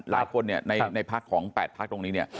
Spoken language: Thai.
หลายคนในพักของแปดพักร่วมตรงนี้